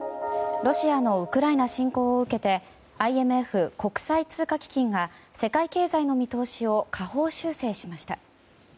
ロシアのウクライナ侵攻を受けてＩＭＦ・国際通貨基金が世界経済の見通しを下方修正しました。